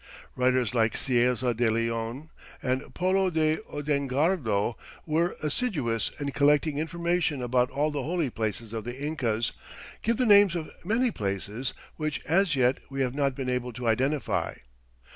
Writers like Cieza de Leon and Polo de Ondegardo, who were assiduous in collecting information about all the holy places of the Incas, give the names of many places which as yet we have not been able to identify.